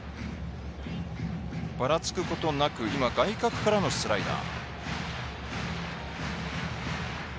ばらつくことなく今は外角からのスライダー。